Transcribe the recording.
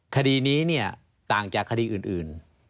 คดีนี้ต่างจากคดีอื่น